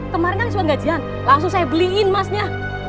kemarin kan cuma gajian langsung saya beliin emasnya